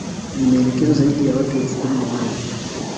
zimeeleza kuwa zaidi ya watu elfu kumi na nne